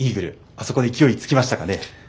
あそこで勢いつきましたか。